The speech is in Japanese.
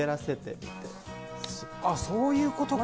あっ、そういうことか。